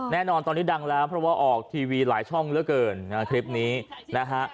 แน่นอนตอนนี้ดังแล้วเพราะว่าออกทีวีหลายช่องเหลือเกินนะคลิปนี้นะฮะ